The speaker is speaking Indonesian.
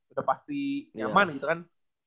udah pasti nyaman gitu kan